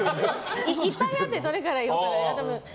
いっぱいあってどれから言ったらいいか。